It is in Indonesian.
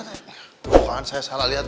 tuh kan saya salah liat